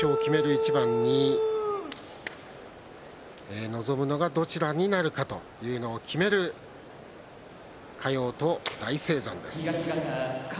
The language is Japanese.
一番に臨むのがどちらになるかというのを決める嘉陽と大青山です。